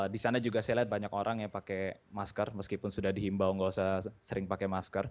di sana juga saya lihat banyak orang yang pakai masker meskipun sudah dihimbau nggak usah sering pakai masker